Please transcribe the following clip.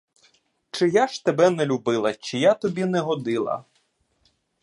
Чи я ж тебе не любила, чи я тобі не годила?